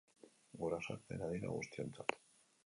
Gurasoak dena dira guztiontzat.